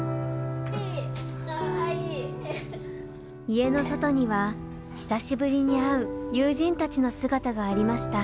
家の外には久しぶりに会う友人たちの姿がありました。